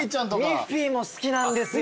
ミッフィーも好きなんですよ。